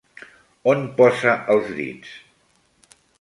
On posa els dits?